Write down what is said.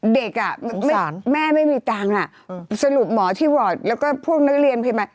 เด็กอ่ะแม่ไม่มีตังค์อ่ะสรุปหมอที่วอร์ดแล้วก็พวกนักเรียนพยาบาล